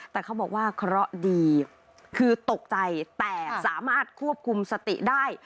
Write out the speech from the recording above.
แต่เขาบอกว่าเคราะห์ดีคือตกใจแต่สามารถควบคุมสติได้